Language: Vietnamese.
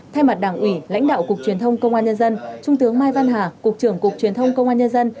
thay mặt đảng ủy lãnh đạo cục truyền thông công an nhân dân trung tướng mai văn hà cục trưởng cục truyền thông công an nhân dân